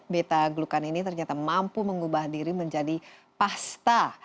beta glukan ini ternyata mampu mengubah diri menjadi pasta